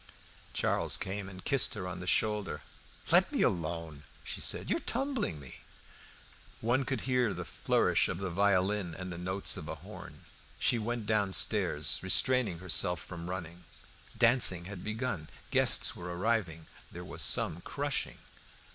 Charles came and kissed her on her shoulder. "Let me alone!" she said; "you are tumbling me." One could hear the flourish of the violin and the notes of a horn. She went downstairs restraining herself from running. Dancing had begun. Guests were arriving. There was some crushing.